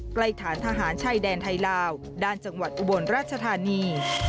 ฐานทหารชายแดนไทยลาวด้านจังหวัดอุบลราชธานี